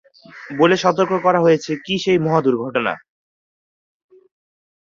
বলে সতর্ক করা হয়েছে: ‘কী সেই মহা দুর্ঘটনা?